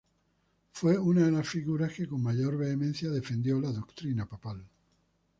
Fue una de las figuras que con mayor vehemencia defendió la doctrina papal.